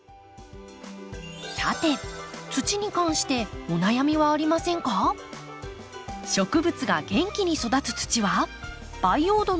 さて土に関してお悩みはありませんか？など